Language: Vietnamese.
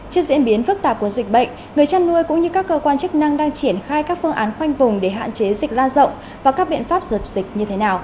trước diễn biến phức tạp của dịch bệnh người chăn nuôi cũng như các cơ quan chức năng đang triển khai các phương án khoanh vùng để hạn chế dịch lan rộng và các biện pháp dập dịch như thế nào